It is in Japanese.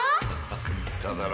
言っただろ？